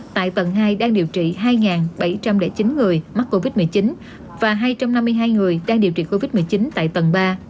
tại tầng hai đang điều trị hai bảy trăm linh chín người mắc covid một mươi chín và hai trăm năm mươi hai người đang điều trị covid một mươi chín tại tầng ba